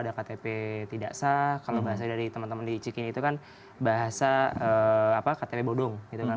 jadi yang memang mereka bilang bahwa ada ktp tidak sah kalau bahasa dari teman teman di cikin itu kan bahasa ktp bodong gitu kan